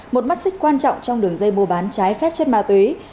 một mắt xích quan trọng trong đường dây mua bán trái phép chất ma túy